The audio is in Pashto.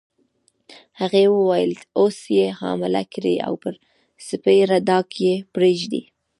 هغې وویل: اوس يې حامله کړې او پر سپېره ډاګ یې پرېږدې.